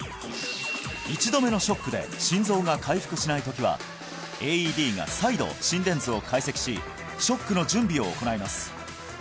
１度目のショックで心臓が回復しない時はＡＥＤが再度心電図を解析しショックの準備を行います